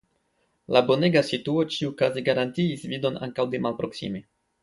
La bonega situo ĉiukaze garantiis vidon ankaŭ de malproksime.